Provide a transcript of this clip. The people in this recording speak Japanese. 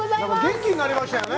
元気になりましたよね。